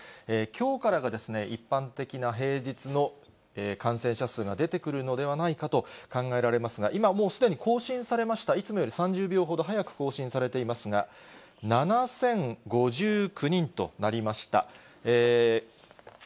きょうからが一般的な平日の感染者数が出てくるのではないかと考えられますが、今もうすでに更新されました、いつもより３０秒ほど早く更新されていますが、７０５９人となりました。